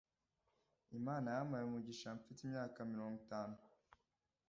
imana yampaye umugisha mfite imyaka mirongo itanu